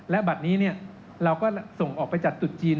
และบัดนี้นี่เราก็ส่งออกไปจัดตุดจีน